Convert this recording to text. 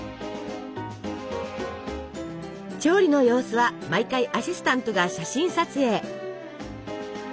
調理の様子は毎回アシスタントが写真撮影。